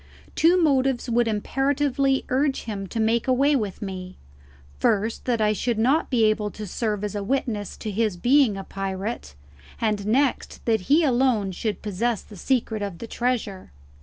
Two motives would imperatively urge him to make away with me; first, that I should not be able to serve as a witness to his being a pirate, and next that he alone should possess the secret of the treasure.